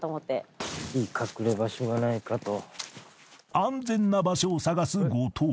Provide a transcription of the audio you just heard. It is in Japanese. ［安全な場所を探す後藤］